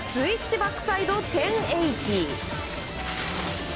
バックサイド９００！